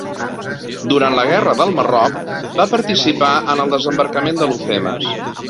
Durant la guerra del Marroc va participar en el desembarcament d'Alhucemas.